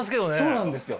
そうなんですよ。